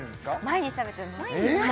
毎日食べてます